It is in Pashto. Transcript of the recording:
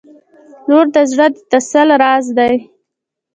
• لور د زړه د تسل راز دی.